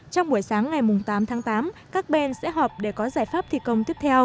trong buổi sáng ngày tám tháng tám các bên sẽ họp để có giải pháp thi công